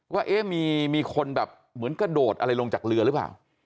ว่ามีคนแบบเหมือนกระโดดอะไรลงจากเรือหรือเปล่า